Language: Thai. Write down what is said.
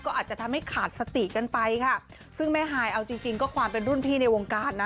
ก็อาจจะทำให้ขาดสติกันไปค่ะซึ่งแม่ฮายเอาจริงจริงก็ความเป็นรุ่นพี่ในวงการนะ